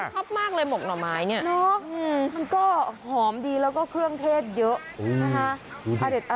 ชอบมากเลยหมกหน่อไม้เนี่ยมันก็หอมดีแล้วก็เครื่องเทศเยอะนะคะ